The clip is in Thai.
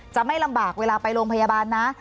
จะไม่ลำบากเวลาไปโรงพยาบาลนะ